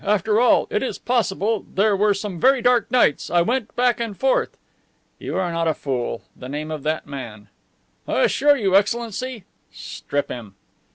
After all, it is possible. There were some very dark nights. I went back and forth." "You are not a fool. The name of that man." "I assure you, Excellency..." "Strip him."